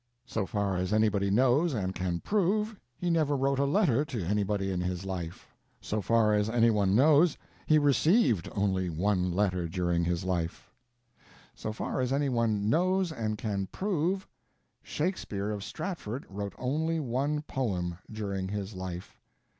So far as anybody knows and can prove, he never wrote a letter to anybody in his life. So far as any one knows, he received only one letter during his life. So far as any one knows and can prove, Shakespeare of Stratford wrote only one poem during his life.